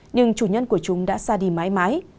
nhưng chủ nhân của chúng đã xa đi mãi mãi